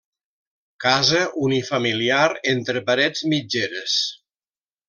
Casa unifamiliar entre parets mitgeres.